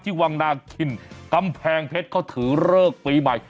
วังนาคินกำแพงเพชรเขาถือเลิกปีใหม่